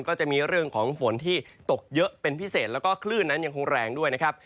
ก็จะมีเรื่องของฝนที่ตกเยอะเป็นพิเศษแล้วก็คลื่นนั้นยังคงแรงด้วยนะครับ